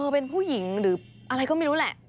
เป็นผู้หญิงหรืออะไรก็ไม่รู้แหละ